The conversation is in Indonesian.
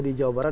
di jawa barat